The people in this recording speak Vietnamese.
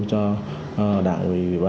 cho đảng quỳ ba